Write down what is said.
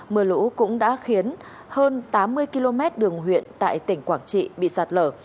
mưa lũ cũng đã khiến hơn tám mươi km đường huyện tại tỉnh quảng trị bị sạt lở